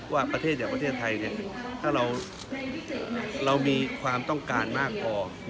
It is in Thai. ว่าประเทศแดดประเทศไทยเนี่ยถ้าเราเรามีความต้องการมากกว่า